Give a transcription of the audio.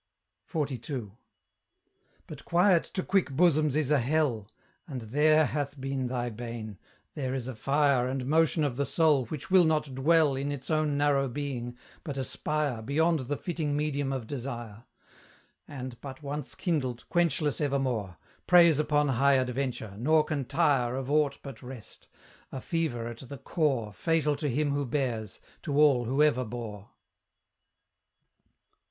XLII. But quiet to quick bosoms is a hell, And THERE hath been thy bane; there is a fire And motion of the soul, which will not dwell In its own narrow being, but aspire Beyond the fitting medium of desire; And, but once kindled, quenchless evermore, Preys upon high adventure, nor can tire Of aught but rest; a fever at the core, Fatal to him who bears, to all who ever bore.